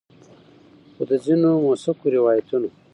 خو د ځینو مؤثقو روایتونو